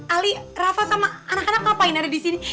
ali rafa sama anak anak ngapain ada disini